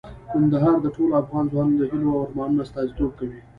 کندهار د ټولو افغان ځوانانو د هیلو او ارمانونو استازیتوب کوي.